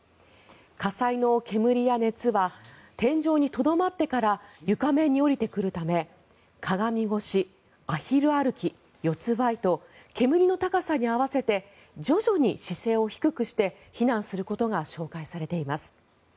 火災の煙や熱は天井にとどまってから床面に下りてくるためかがみ腰、アヒル歩き四つばいと煙の高さに合わせて徐々に姿勢を低くして避難することが紹介されています。